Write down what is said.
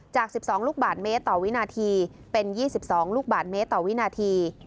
จาก๑๒ลูกบาทเมตรต่อวินาทีเป็น๒๒ลูกบาทเมตรต่อวินาที